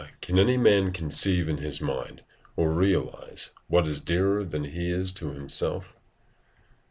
can any man conceive in his mind or realise what is dearer than he is to himself?"